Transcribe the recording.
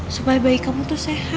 supaya bayi kamu tuh sehat